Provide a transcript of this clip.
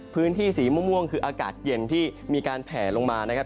พื้นที่สีม่วงคืออากาศเย็นที่มีการแผลลงมานะครับ